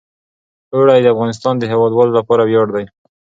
اوړي د افغانستان د هیوادوالو لپاره ویاړ دی.